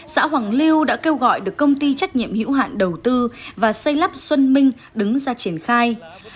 xã hoàng liêu đã kêu gọi được công ty trách nhiệm hữu hạn đầu tư và xây lắp xuân minh đứng ra triển khai